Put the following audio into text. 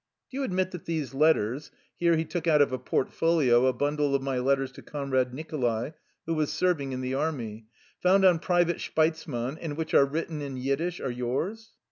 Do you admit that these letters —" here he took out pf a portfolio a bundle of my letters to Comrade Nicholai, who was serving in the army, —^^ found on Private Shpeizman, and which are written in Yiddish, are yours?